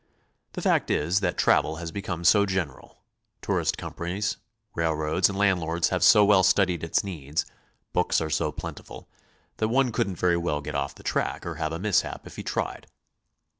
The fact is that travel has become so general; tourist companies, railroads, and landlords have so well studied its needs; books are so plentiful, that one couldnk very well get off the track or have a mishap if he tried.